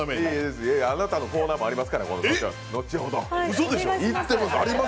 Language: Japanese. あなたのコーナーもありますから、後ほど。